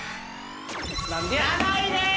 ７位です！